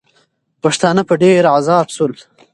پښتانه په ډېر عذاب سول.